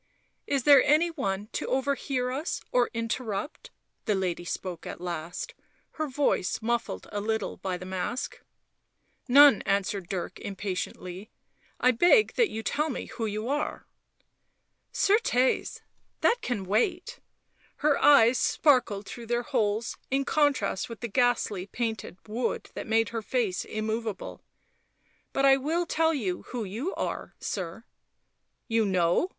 "Is there any one to overhear us or interrupt?" the lady spoke at last, her voice muffled a little by the mask. " Hone," answered Dirk half impatiently. " I beg that you tell me who you are." " Certes, that can wait ;" her eyes sparkled through their holes in contrast with the ghastly nainted wood that made her face immovable. " But I will tell you who you are, sir." " You know